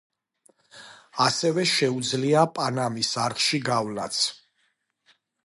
ასევე შეუძლია პანამის არხში გავლაც.